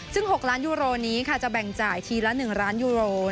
ซึ่ง๖ล้านยูโรนี้ค่ะจะแบ่งจ่ายทีละ๑ล้านยูโร